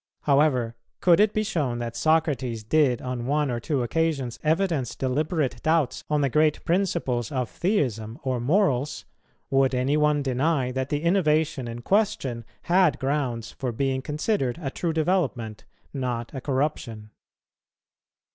However, could it be shown that Socrates did on one or two occasions evidence deliberate doubts on the great principles of theism or morals, would any one deny that the innovation in question had grounds for being considered a true development, not a corruption?